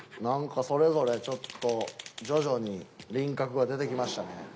なんかそれぞれちょっと徐々に輪郭が出てきましたね。